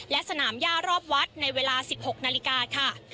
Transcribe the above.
และสนามย่ารอบวัดในเวลา๑๖นาฬิกาค่ะ